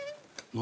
何？